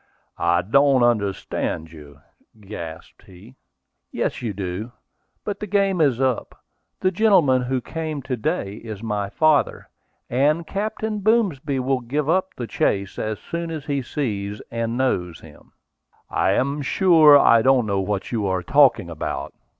"I don't understand you," gasped he. "Yes, you do. But the game is up. The gentleman who came to day is my father, and Captain Boomsby will give up the chase as soon as he sees and knows him." "I am sure I don't know what you are talking about."